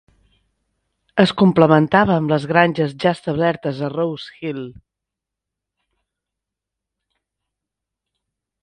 Es complementava amb les granges ja establertes a Rose Hill.